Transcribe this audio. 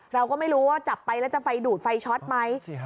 เราก็ไม่รู้ว่าจับไปแล้วจะไฟดูดไฟช็อตไหม